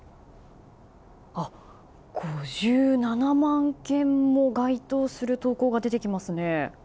５７万件も該当する投稿が出てきますね。